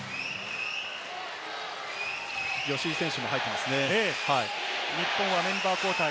吉井選手も入っていますね。